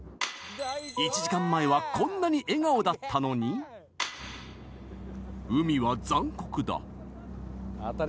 １時間前はこんなに笑顔だったのに海は残酷だ。